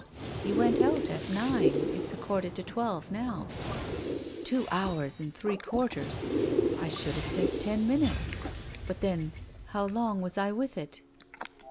" You went out at nine. It's a quarter to twelve now." " Two hours and three quarters ! I should have said ten minutes. But then — how long was I with it?"